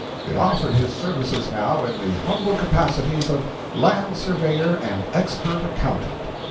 It offered his services now in the humble capacities of land surveyor and expert accountant.